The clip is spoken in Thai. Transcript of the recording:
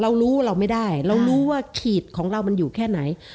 เรารู้เราไม่ได้เรารู้ว่าขีดของเรามันอยู่แค่ไหน